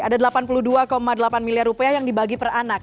ada delapan puluh dua delapan miliar rupiah yang dibagi per anak